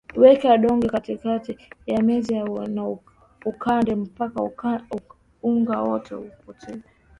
Weka donge katikati ya meza na ukande mpaka unga wote upotee